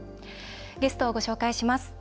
ゲストをご紹介します。